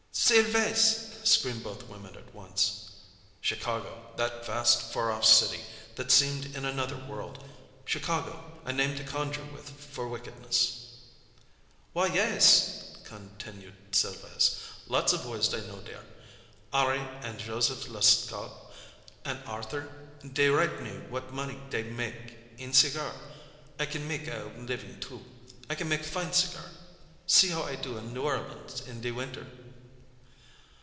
"Sylves'!" screamed both women at once. Chicago! That vast, far off city that seemed in another world. Chicago! A name to conjure with for wickedness. "W'y, yaas," continued Sylves', "lots of boys I know dere. Henri an' Joseph Lascaud an' Arthur, dey write me what money dey mek' in cigar. I can mek' a livin' too. I can mek' fine cigar. See how I do in New Orleans in de winter."